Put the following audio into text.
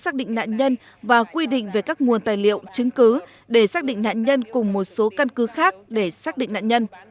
xác định nạn nhân và quy định về các nguồn tài liệu chứng cứ để xác định nạn nhân cùng một số căn cứ khác để xác định nạn nhân